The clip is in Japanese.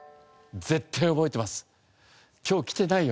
絶対覚えてます。